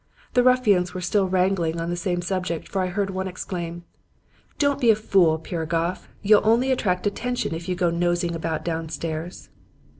The ruffians were still wrangling on the same subject, for I heard one exclaim: "'Don't be a fool, Piragoff. You'll only attract attention if you go nosing about downstairs.'